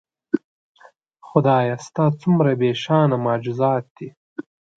خدایه ستا څومره بېشانه معجزات دي